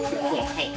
はい。